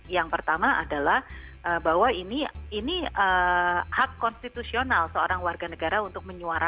yang pertama adalah bahwa ini hak konstitusional seorang warga negara untuk menyuarakan